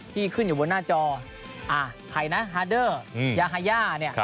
ที่ขึ้นอยู่บนหน้าจอใครนะฮาเดอร์ยาฮาย่าเนี่ย